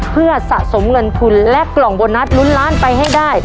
เพื่อสะสมเงินทุนและกล่องโบนัสลุ้นล้านไปให้ได้